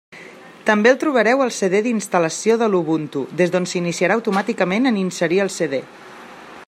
També el trobareu al CD d'instal·lació de l'Ubuntu, des d'on s'iniciarà automàticament en inserir el CD.